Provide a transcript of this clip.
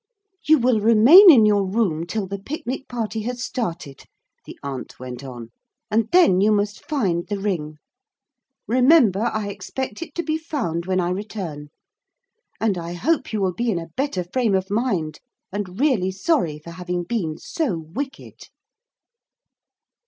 'You will remain in your room till the picnic party has started,' the aunt went on, 'and then you must find the ring. Remember I expect it to be found when I return. And I hope you will be in a better frame of mind and really sorry for having been so wicked.'